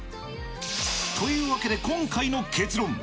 というわけで、今回の結論。